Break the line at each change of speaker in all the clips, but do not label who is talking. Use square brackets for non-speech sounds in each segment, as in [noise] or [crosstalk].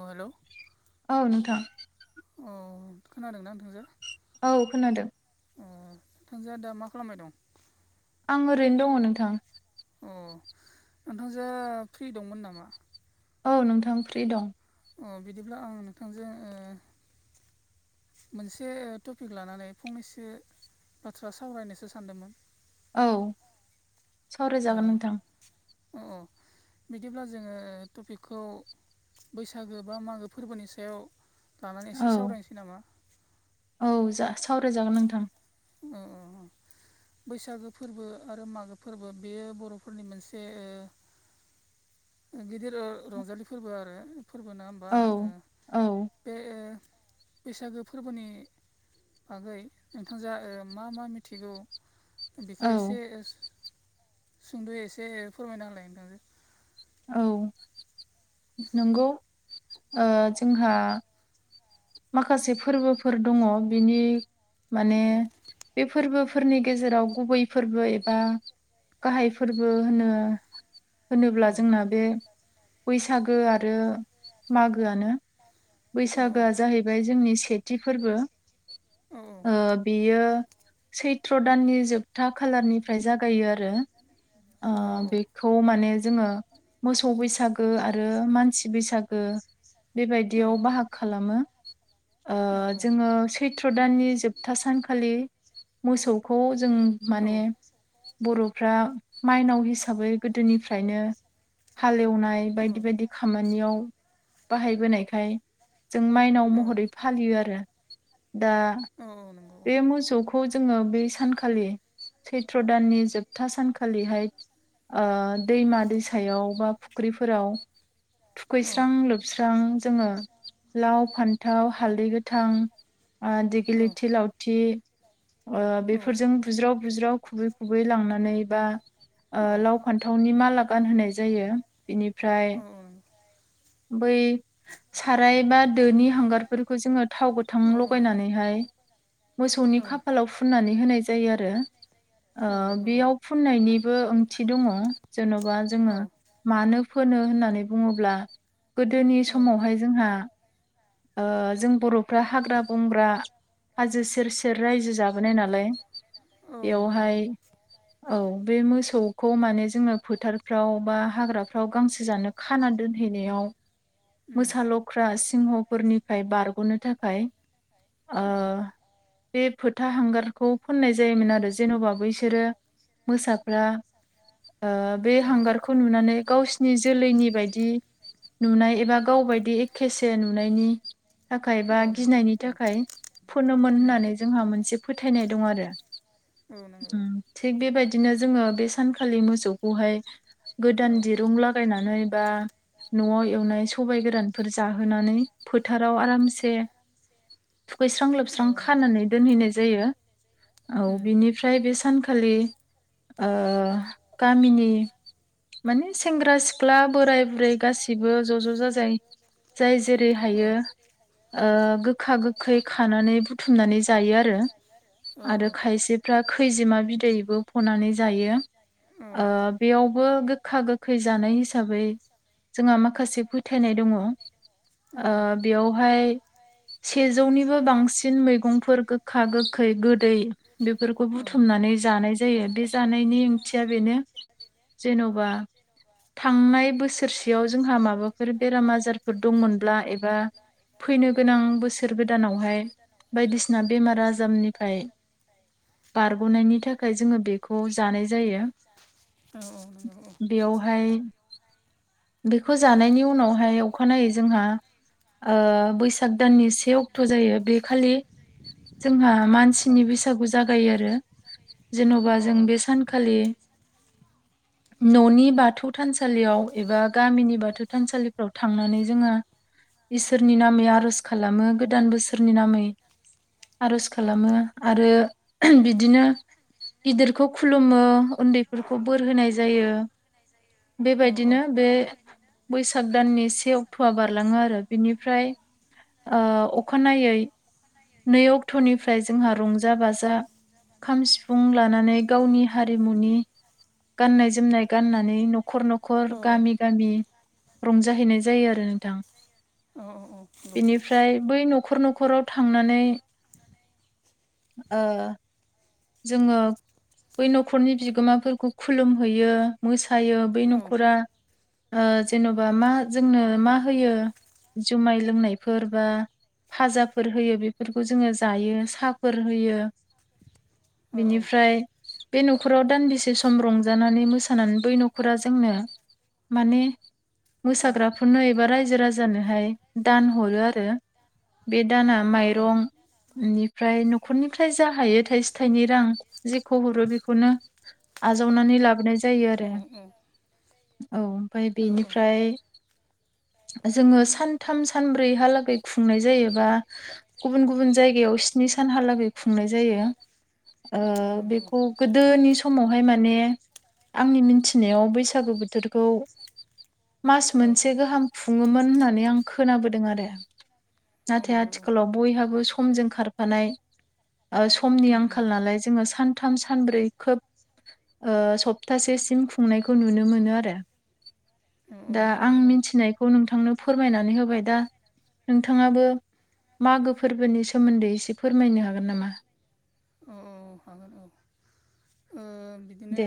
औ हेल'
औ नोंथां
औ खोनादोंना नोंथांजो?
औ खोनादों।
अ नोंथांजोआ दा मा खालामबाय दं?
आं ओरैनो दङ' नोंथां।
अ नोंथांजोआ फ्रि दंमोन नामा?
औ नोंथां फ्रि दं।
अ बिदिब्ला आं नोंथांजों ओ मोनसे टपिक लानानै फंनैसो बाथ्रा सावरायनोसो सानदोंमोन।
औ
ओ
सावरायजागोन नोंथां
औ बिदिब्ला जोङो टपिकखौ बैसागो बा मागो फोरबोनि सायाव लानानै एसे
औ
सावरायनोसै नामा?
औ जा सावरायजागोन नोंथां।
ओ ओ ओ बैसागो फोरबो आरो मागो फोरबो बेयो बर'फोरनि मोनसे गिदिर रंजालि फोरबो आरो फोरबो ना बा
औ
ओम
औ
बे बैसागो फोरबोनि बागै नोंथांजोआ ओ मा मा मिथिगौ बेखौ
औ
एसे सुंद'यै एसे फोरमायना होलाय नोंथांजो
औ नंगौ ओ जोंहा माखासे फोरबोफोर दंङो बिनि माने बे फोरबो फोरनि गेजेराव गुबै फोरबो एबा गाहाय फोरबो होनो
औ
होनोब्ला जोंना बे बैसागो आरो मागोआनो
औ
बैसागोआ जाहैबाय जोंनि सेथि फोरबो
औ
ओ बेयो सैथ्र' दाननि जोबथा खालारनिफ्राय जागायो आरो
औ
बेखौ माने जोंङो मोसौ बैसागो आरो मानसि बैसागो
औ
बेबायदियाव बाहागो खालामो
औ
जोंङो सैथ्र' दाननि जोबथा सानखालि मोसौखौ जों माने बर'फ्रा माइनाव हिसाबै गोदोनिफ्रायनो हालेवनाय बायदि
औ
बायदि खामानियाव बाहायबोनाय ओमफ्राय जों माइनाव
औ
महरै फालियो आरो दा
औ नंगौ
बे मोसौखौ जोंङो बै सानखालि सैत्र दाननि जोबथा सानखालिहाय दैमा दैसायाव बा फुख्रिफोराव
औ
थुखैस्रां लोबस्रां जोङो लाव फान्थाव हालदै गोथां
औ
दिगिलिथि लावथि बेफोरजों बुज्राव बुज्राव खुबै खुबै लांनानै बा लाव फान्थावनि माला गानहोनाय जायो बिनिफ्राय बै साराय बा दोनि हांगारफोरखौ जोंङो थाव गोथां
औ
लगायनानैहाय मोसौनि खाफालाव फुननानै होनाय जायो आरो
औ नंगौ
बेयाव फुननायनिबो ओंथि दंङो जेन'बा
औ
जोंङो मानो फोनो होननानै बुंङोब्ला गोदोनि
औ
समावहाय जोंहा जों बर'फ्रा हाग्रा बंग्रा हाजो सेर सेर रायजो जाबोनाय नालाय
औ नंगौ औ
बेयावहाय औ बे मोसौखौ माने जोंङो फोथारफ्राव बा हाग्राफ्राव गांसो जानो खाना दोनहैनायाव
[inaudible]
मोसालख्रा सिंहफोरनिफ्राय बारग'नो थाखाय ओ
औ
बे फोथा हांगारखौ फोननाय जायोमोन आरो जेन'बा बिसोरो मोसाग्रा बे
औ
हांगारखौ नुनानै गावसिनि जोलैनि बायदि नुनाय एबा गावबायदि एखेसे नुनायनि थाखाय
औ
बा
नंगौ
गिनायनि
औ
थाखाय फनोमोन
उम
होननानै जोंहा मोनसे फोथायनाय दं आरो
औ नंगौ
थिग बेबायदिनो जोंङो बे सानखालि मोसौखौहाय
औ
गोदान दिरुं लागायनानै बा न'आव एवनाय सबाय गोरानफोर जाहोनानै फोथाराव आरामसे थुखैस्रां
औ
लोबस्रां खानानै दोनहैनाय जायो। औ
उम
बिनिफ्राय बे सानखालि ओ गामिनि माने सेंग्रा सिख्ला बोराय बुरै गासि सिबो ज' ज' जाजाय जाय जेरै
ओम ओ
हायो गोखा गोखै खानानै बुथुमनानै जायो आरो। आरो खायसे फ्रा खैजिमा बिदैबो फनानै जायो बेयाव वबो गोखा गोखै जानाय हिसाबै जोंहा माखासे फोथायनाय दङ। ओ बेयावहाय सेजौनिबो बांसिन मैगंफोर गोखा गोखै गोदै बेफोरखौ
ओ
बुथुमनानै जानाय जायो बे जानायनि ओंथिया बेनो जेन'बा थांनाय बोसोरसेयाव जोंहा माबाफोर बेराम आजार फोरा दंमोनब्ला एबा फैनो गोनां बोसोर गोदानावहाय बायदिसिना बेमार आजारनिफ्राय बारग'नायनि थाखाय जोङो बेखौ जानाय जायो
औ औ नंगौ औ
बेयावहाय बेखौ जानायनि उनावहाय अखानायै जोंहा ओ बैसाग दाननि से अक्ट' जायो बे खालि जोंहा मानसिनि बैसागु जागायो आरो
नंगौ औ
जेन'बा जों बे सानखालि न'नि बाथौ थानसालियाव एबा गामिनि बाथौ थानसालिफ्राव थांनानै जोङो इसोरनि नामै आर'ज खालामो गोदान बोसोरनि नामै आर'ज
औ
खालामो आरो बिदिनो गिदिरखौ खुलुमो उन्दैफोरखौ बोर होनाय जायो
औ औ
बेबायदिनो बे बैसाग दाननि से अक्ट'आ बारलाङो आरो बिनिफ्राय ओ अखानायै नै अक्ट'निफ्राय जोंहा रंजा बाजा खाम सिफुं लानानै गावनि हारिमुनि गाननाय जोमनाय गाननानै न' खर न'खर
औ
गामि गामि रंजाहैनाय जायो आरो नोंथां
नंगौ औ नंगौ औ नंगौ औ
बेनिफ्राय बै न'खर न'खराव थांनानै ओ जोङो बै न'खरनि बिगोमाफोरखौ खुलुमहैयो मोसायो बै न'खरा जेन'बा मा जोंनो मा होयो जुमाय लोंनायफोर बा फाजा फोर होयो बेफोरखौ जोङो जायो साहाफोर होयो बिनिफ्राय बे न'खराव दानदिसे सम रंजानानै मोसानानै बै न'खरा जोंनो माने मोसाग्राफोरनो एबा रायजो राजानोहाय दान हरो आरो बे दाना
नंगौ
माइरं बेनिफ्राय न'खरनिफ्राय जा हायो थाइसे थाइनै रां जेखौ हरो बेखौनो आजावनानै लाबोनाय जायो आरो औ ओमफ्राय बेनिफ्राय जोङो सानथाम सानब्रैहालागै खुंनाय जायो। बा गुबुन गुबुन जायगायाव स्नि सानहाालागै खुंनाय जायो। ओ बेखौ गोदोनि समावहाय माने आंनि मिथिनायाव बैसागु बोथोरखौ मास मोनसे गाहाम खुङोमोन होननानै आं खोनाबोदों आरो नाथाय आथिखालाव बयहाबो समजों खारफानाय ओ समनि आंखाल नालाय जोङो सानथाम सानब्रै खोब ओ सप्तासेसिम खुंनायखौ नुनो मोनो आरो दा आं
औ
मिथिनायखौ नोंथांनो फोरमायनानै होबाय दा नोंथाङाबो मागो फोरबोनि सोमोन्दै एसे फोरमायनो हागोन नामा?
ओम [inaudible] ओम बिदिनो
दे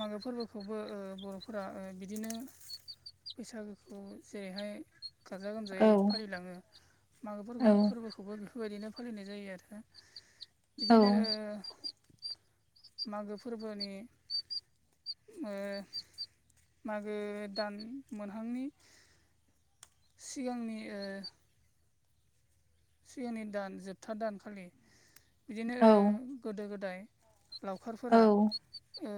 मागो फोरबोखौबो ओ बर'फोरा ओ बिदिनो बैसागोखौ जेरैहाय गाजा
औ
गोमजायै फालिलाङो मागो
औ
फोरबो खौबो बेफोरबायदिनो फालिनाय जायो आरो
औ
बिदिनो मागो फोरबोनि ओ मागो दान मोनहांनि सिगांनि ओ सिगांनि दान जोबथा दानखालि बिदिनो गोदो गोदाय
औ
लावखारफोरा ओ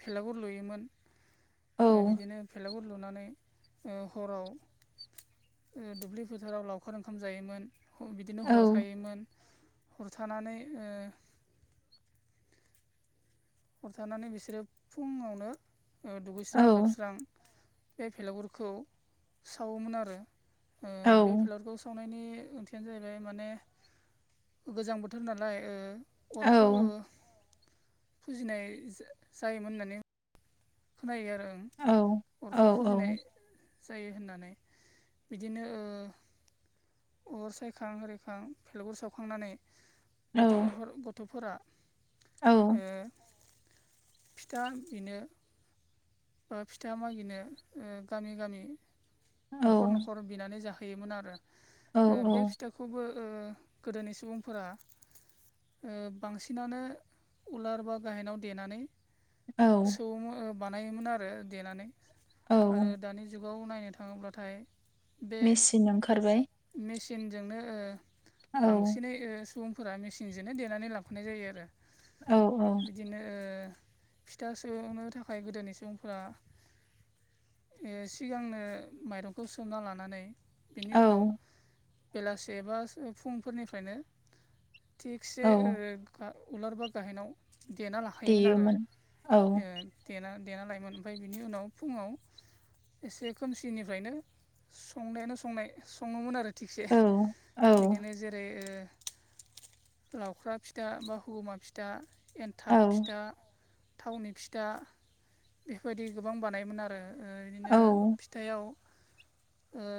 भेलागुर लुयोमोन।
औ
ओ बिदिनो फेलागुर लुनानै ओ हराव ओ दुब्लि फोथाराव लावखार ओंखाम जायोमोन। बिदिनो
औ
हरथायोमोन हरथानानै ओ हरथानानै बिसोरो फुङावनो ओ
औ
दुगैस्रां लोबस्रां बे फेलागुरखौ सावोमोन आरो ओ
औ
बे फेलागुरखौ सावनायनि ओंथियानो जाहैबाय माने गोजां बोथोर नालाय ओ अरखौ ओ फुजिनाय जायोमोन होननानै खोनायो आरो आं
औ
अरखौ फुजिनाय। जायो होननानै बिदिनो ओ अर सायखां हारिखां फेलागुर सावखांनानै गथ' गथ'फोरा ओ फिथा बिनो बा फिथा मागिनो गामि गामि न'खर न'खर बिनानै जाहोयोमोन आरो
औ
बे फिथा खौबो ओ गोदोनि सुबुंफोरा ओ बांसिनानो उलार बा गायहेनाव देनानै
औ
सौवो बानायोमोन आरो देनानै आरो
औ
दानि जुगाव नायनो थाङोब्लाथाय बे
मेचिन ओंखारबाय
मेसिनजोंनो ओ
औ
बांसिन नै ओ सुबुंफोरा मेसिनजोंनो देनानै लाखानाय जायो आरो।
औ औ
बिदिनो फिथा सौनो थाखाय गोदोनि सुबुंफोरा ओ सिगांनो माइरंखौ सोमना लानानै बेनि उनाव
औ
बेलासे बा फुंफोरनिफ्रायनो थिगसे
औ
उलार बा गाहेनाव देना ला थायोमोन आरो
देयोमोन औ
ओ देना देना लायोमोन ओमफ्राय बिनि उनाव फुङाव एसे खोमसिनिफ्रायनो संनायानो संनाय सङोमोन आरो। थिगसे
औ औ
बिदिनो जेरै ओ लावख्रा फिथा बा हगुमा फिथा एन्थाब फिथा थावनि फिथा बेफोरबायदि गोबां बानायोमोन आरो ओ बिदिनो
औ
फिथायाव ओ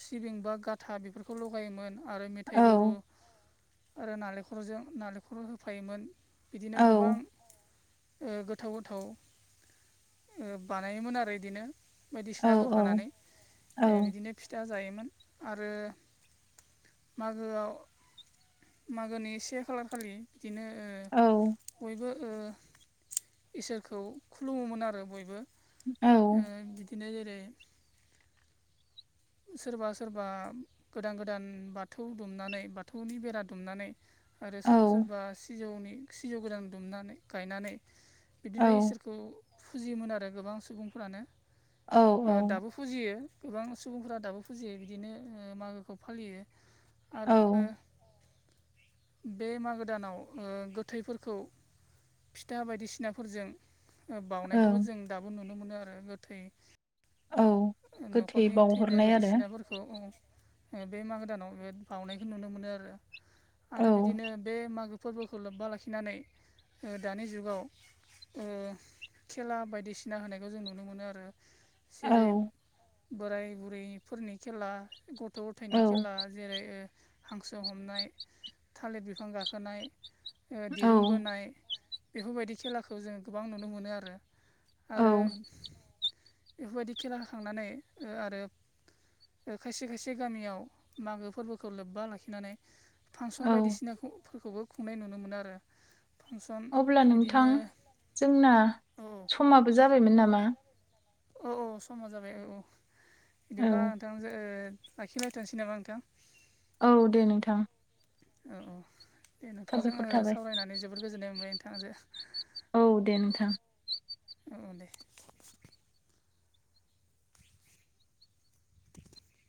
सिबिं बा गाथा बेफोरखौ लगायोमोन आरो मेथाइ
औ
गुरु आरो नालेंखरजों नालेंखरबो होफायोमोन
औ
बिदिनो गोबां ओ गोथाव गोथाव बानायोमोन आरो बिदिनो
औ
बायदिसिना
औ
होफानानै बिदिनो जायोमोन आरो मागोआव मागोनि से खालार खालि बिदिनो ओ बयबो ओ इसोरखौ खुलुमोमोन आरो। बयबो ओ बिदिनो जेरै सोरबा सोरबा गोदान गोदान बाथौ दुमनानै बाथौनि बेरा दुमनानै आरो
औ
सोरबा सोरबा सिजौनि सिजौ गोदान दुमनानै गायनानै
औ
बिदिनो इसोरखौ फुजियोमोन आरो गोबां सुबुंफ्रानो
औ
दाबो। फुजियो गोबां सुबुंफोरा दाबो फुजियो बिदिनो मागोखौ फालियो आरो
औ
बे मागो दानाव गोथैफोरखौ फिथा बादिसिनाफोरजों बाउनायखौबो
ओं
जों दाबो नुनो मोनो आरो गोथै
औ
न'खरनि
गोथैबाव
थैनाय बायदिसिनाफोरखौ बे मागो दानाव बे बावनायखौ नुनो मोनो आरो आरो
औ
बिदिनो बे मागो फोरबोखौ लोब्बा लाखिनानै दानि जुगाव खेला बादिसिना होनायखौ जों नुनो मोनो आरो। जेरै बोराय बुरैफोरनि खेला गथ'
औ
गथायनि खेला जेरै हांसो हमनाय थालिर बिफां गाखोनाय
औ
दिरुं बोनाय बेफोरबायदि खेलाखौ जों गोबां नुनो मोनो आरो।
औ
आरो बेफोरबादि खेला होखांनानै आरो खायसे खायसे गामियाव मागो फोरबोखौ लोब्बा लाखिनानै फांसन
औ
बादिसिनाखौ फोरखौबो खुंनाय नुनो मोनो आरो फांसन
अब्ला नोंथां
बिदिनो
जोंना
औ
समाबो जाबायमोन नामा?
औ औ समा जाबाय औ औ
औ
बिदिब्ला नोंथां। लाखिलायथ'नोसै नामा नोंथां
औ दे नोंथां।
औ औ दे नोंथांजों
साबायखर थाबाय
सावरायनानै जोबोद गोजोननाय मोनबाय नोंथां जों।
औ दे नोंथां।
औ दे। दे